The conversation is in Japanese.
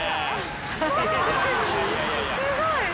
すごい。